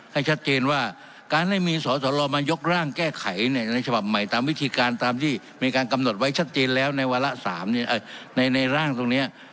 ให้ชัดเจนว่าการให้มีสอสลมายกร่างแก้ไขในฉบับใหม่ตามวิธีการตามที่มีการกำหนดไว้ชัดเจนแล้วในวาระ๓ในร่างตรงนี้